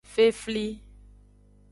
Fefli.